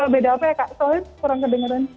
beda apa ya kak soalnya kurang kedengeran